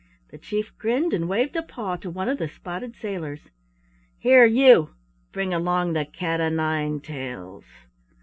The Chief grinned and waved a paw to one of the spotted sailors. "Here, you, bring along the Cat O' Nine Tails!"